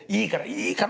いいから！